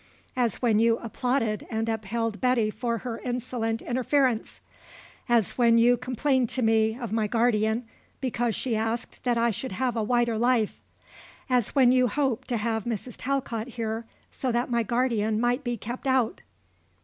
"As when you applauded and upheld Betty for her insolent interference; as when you complained to me of my guardian because she asked that I should have a wider life; as when you hoped to have Mrs. Talcott here so that my guardian might be kept out."